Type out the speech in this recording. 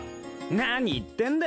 何言ってんだ